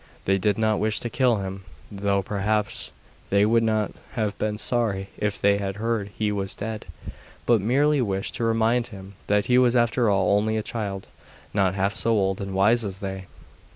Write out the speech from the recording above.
They did not wish to kill him though, perhaps, they would not have been sorry if they had heard he was dead but merely wished to remind him that he was after all only a child, not half so old and wise as they.